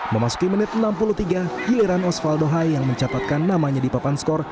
memasuki menit enam puluh tiga giliran osvaldo hai yang mencatatkan namanya di papan skor